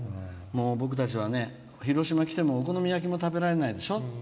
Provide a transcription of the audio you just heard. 僕たちは広島来てもお好み焼きも食べられないでしょ。